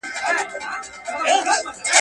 پاچا پورته په کړکۍ په ژړا سو.